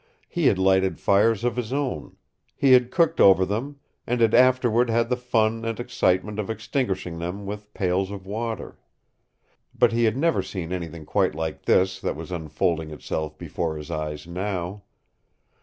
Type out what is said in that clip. He had lighted fires of his own; he had cooked over them and had afterward had the fun and excitement of extinguishing them with pails of water. But he had never seen anything quite like this that was unfolding itself before his eyes now.